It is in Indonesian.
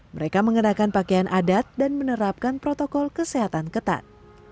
mereka mengenakan pakaian adat dan menerapkan protokol kesehatan ketat